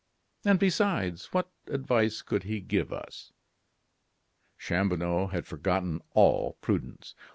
And, besides, what advice could he give us?" Chanlouineau had forgotten all prudence.